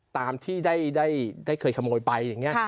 ตามที่ได้เคยขโมยไปอย่างนี้